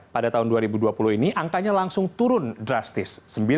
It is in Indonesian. pada tahun dua ribu dua puluh ini angkanya langsung turun drastis